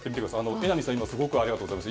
榎並さん、ありがとうございます。